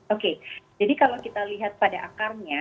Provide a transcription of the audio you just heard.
oke jadi kalau kita lihat pada akarnya